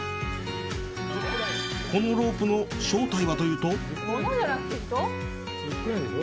このロープの正体はというと？